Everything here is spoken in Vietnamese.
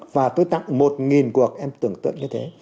và tôi tặng một cuộc em tưởng tượng như thế